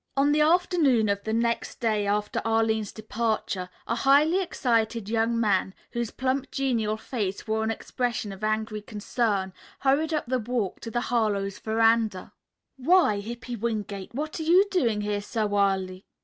On the afternoon of the next day after Arline's departure, a highly excited young man, whose plump, genial face wore an expression of angry concern, hurried up the walk to the Harlowe's veranda. "Why, Hippy Wingate, what are you doing here so early?"